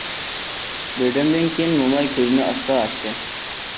بىردەمدىن كىيىن موماي كۆزىنى ئاستا ئاچتى.